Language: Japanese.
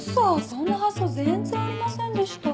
そんな発想全然ありませんでした。